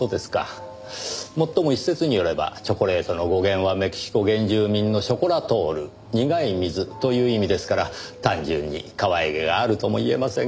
もっとも一説によればチョコレートの語源はメキシコ原住民のショコラトール「苦い水」という意味ですから単純にかわいげがあるとも言えませんが。